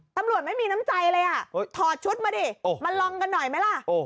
ตำรวจไม่มีน้ำใจเลยอ่ะถอดชุดมาดิมาลองกันหน่อยไหมล่ะ